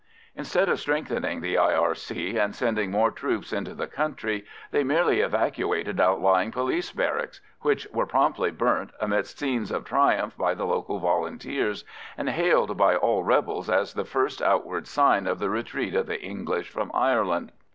Instead of strengthening the R.I.C. and sending more troops into the country, they merely evacuated outlying police barracks, which were promptly burnt amidst scenes of triumph by the local Volunteers, and hailed by all rebels as the first outward sign of the retreat of the English from Ireland.